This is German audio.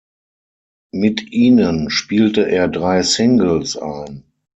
Mit ihnen spielte er drei Singles ein.